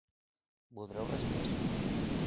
Voldreu res més?